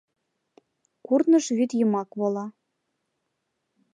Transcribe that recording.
Курныж вӱд йымак вола